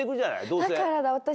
だからだ私